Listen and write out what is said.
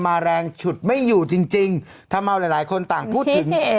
แรงฉุดไม่อยู่จริงทำเอาหลายคนต่างพูดถึง